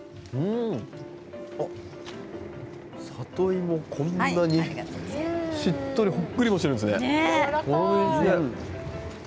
里芋がこんなにしっとりほっくりしているんですね。